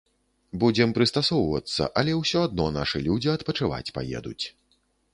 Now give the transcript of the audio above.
Будзем прыстасоўвацца, але ўсё адно нашы людзі адпачываць паедуць.